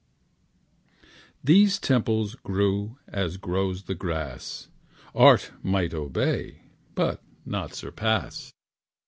These temples grew as grows the grass; Art might obey, but not surpass.